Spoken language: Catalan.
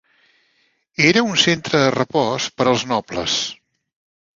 Era un centre de repòs per als nobles.